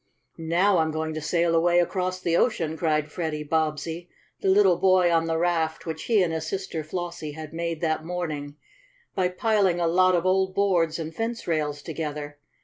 "Now I'm going to sail away across the ocean!" cried Freddie Bobbsey, the little boy on the raft, which he and his sister Flossie had made that morning by piling a lot of old boards and fence rails together.